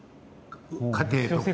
家庭とか。